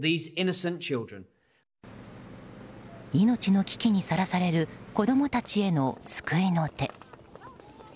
命の危機にさらされる子供たちへの救いの手。